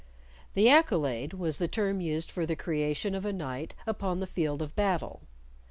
The accolade was the term used for the creation of a knight upon the field of battle.